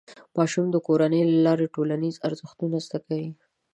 ماشوم د کورنۍ له لارې ټولنیز ارزښتونه زده کوي.